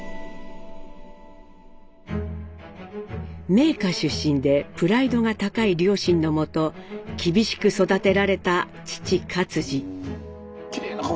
名家出身でプライドが高い両親のもと厳しく育てられた父克爾。